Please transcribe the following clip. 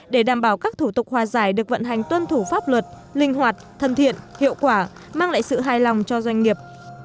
để đảm bảo các thủ tục hòa giải được vận hành tuân thủ pháp luật linh hoạt thân thiện hiệu quả mang lại sự hài lòng cho doanh nghiệp